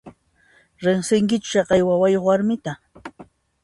Riqsinkichu haqay wawayuq warmita?